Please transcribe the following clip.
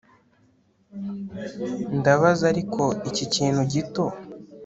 ndabaza ariko iki kintu gito